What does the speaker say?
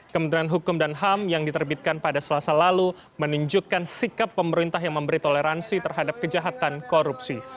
kementerian hukum dan ham yang diterbitkan pada selasa lalu menunjukkan sikap pemerintah yang memberi toleransi terhadap kejahatan korupsi